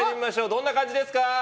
どんな感じですか？